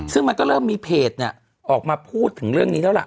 ซึ่งมันก็เริ่มมีเพจเนี่ยออกมาพูดถึงเรื่องนี้แล้วล่ะ